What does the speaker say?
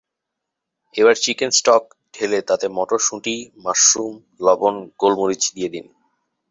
এবার chicken stock ঢেলে তাতে মটরশুঁটি, মাশরুম, লবণ, গোলমরিচ দিয়ে দিন।